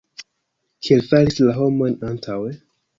Kiel faris la homojn antaŭe?